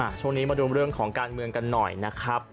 ช่วงนี้มาดูเรื่องของการเมืองกันหน่อยนะครับ